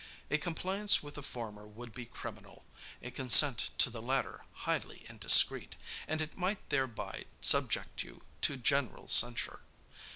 A compliance with the former would be criminal, a consent to the latter highly indiscreet; and it might thereby subject you to general censure.